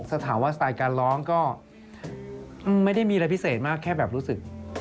ถ้าถามว่าสไตล์การร้องก็ไม่ได้มีอะไรพิเศษมากแค่แบบรู้สึก